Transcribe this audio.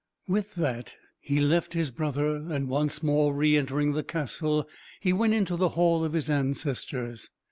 With that he left his brother, and, once more re entering the castle, he went into the hall of his ancestors.